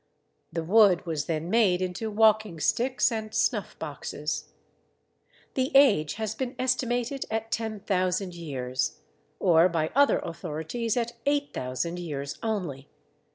(The wood was then made into walking sticks and snuffboxes.) The age has been estimated at 10,000 years, or by other authorities at 8000 years only.